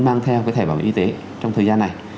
mang theo cái thẻ bảo hiểm y tế trong thời gian này